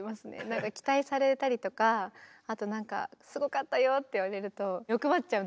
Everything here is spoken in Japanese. なんか期待されたりとかあとなんかすごかったよって言われると欲張っちゃう。